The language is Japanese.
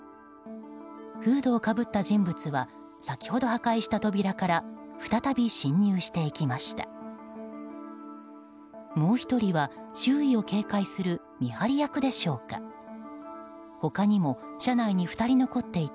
フードをかぶった人物は先ほど破壊した扉から再び侵入していきました。